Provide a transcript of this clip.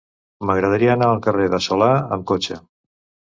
M'agradaria anar al carrer de Solà amb cotxe.